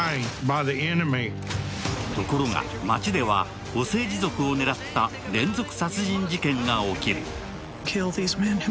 ところが街ではオセージ族を狙った連続殺人事件が起こる。